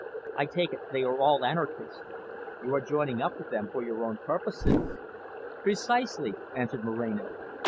I take it they are all anarchists. You are joining up with them for your own purposes." "Precisely," answered Moreno.